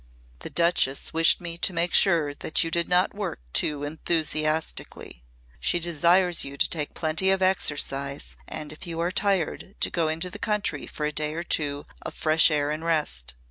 "The Duchess wished me to make sure that you did not work too enthusiastically. She desires you to take plenty of exercise and if you are tired to go into the country for a day or two of fresh air and rest.